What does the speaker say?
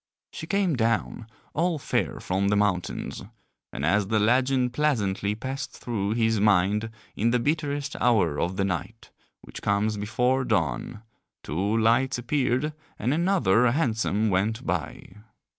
She came down all fair from the mountains; and as the legend pleasantly passed through his mind in the bitterest hour of the night, which comes before dawn, two lights appeared and another hansom went by.